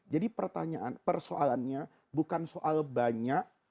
jadi persoalannya bukan soal banyak